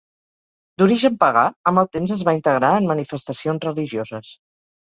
D'origen pagà, amb el temps es va integrar en manifestacions religioses.